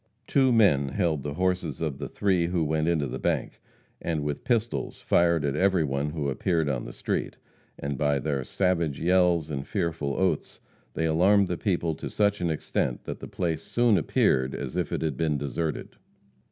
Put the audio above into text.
Two men held the horses of the three who went into the bank, and with pistols fired at every one who appeared on the street; and by their savage yells and fearful oaths they alarmed the people to such an extent that the place soon appeared as if it had been deserted.